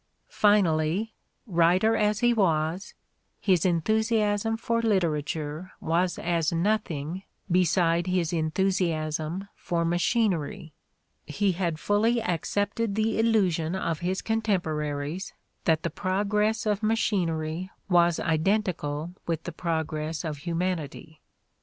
Finally, writer as he was, his enthusiasm for literature was as nothing beside his enthusiasm for machinery: he had fully accepted the illusion of his contemporaries that the progress of machinery was identical with the progress of humanity.